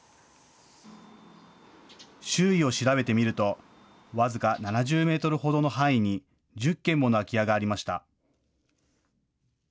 周囲を調べてみると僅か７０メートルほどの範囲に１０軒もの空き家がありました。